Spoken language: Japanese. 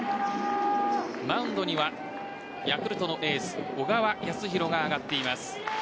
マウンドにはヤクルトのエース小川泰弘が上がっています。